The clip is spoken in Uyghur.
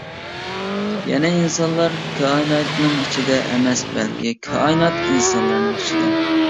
يەنى ئىنسانلار كائىناتنىڭ ئىچىدە ئەمەس بەلكى كائىنات ئىنسانلارنىڭ ئىچىدە.